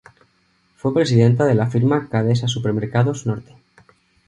Fue presidente de la firma Cadesa-Supermercados Norte.